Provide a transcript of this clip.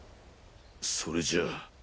それじゃあ。